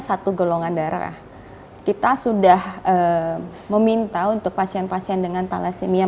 satu golongan darah kita sudah meminta untuk pasien pasien dengan thalassemia